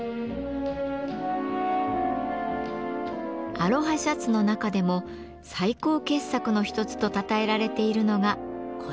アロハシャツの中でも最高傑作の一つとたたえられているのがこちら。